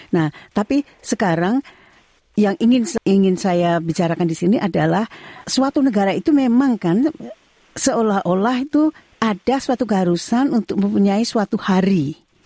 nah tapi sekarang yang ingin saya bicarakan di sini adalah suatu negara itu memang kan seolah olah itu ada suatu keharusan untuk mempunyai suatu hari